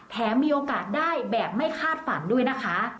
มีโอกาสได้แบบไม่คาดฝันด้วยนะคะ